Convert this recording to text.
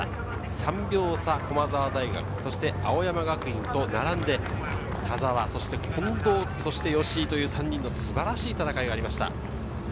３秒差、駒澤大学、青山学院大学と並んで田澤、近藤、吉居という３人の素晴らしい戦いがありました。